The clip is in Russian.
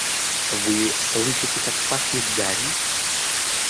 — Вы слышите, как пахнет гарью.